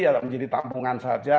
ya menjadi tampungan saja